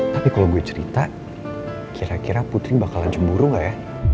tapi kalau gue cerita kira kira putri bakalan cemburu gak ya